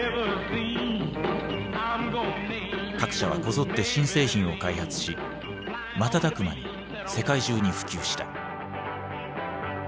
各社はこぞって新製品を開発し瞬く間に世界中に普及した。